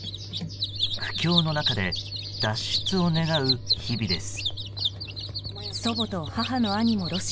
苦境の中で脱出を願う日々です。